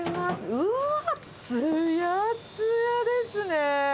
うわー、つやつやですね。